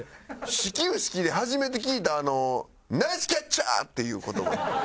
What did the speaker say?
始球式で初めて聞いたあの「ナイスキャッチャー！」っていう言葉。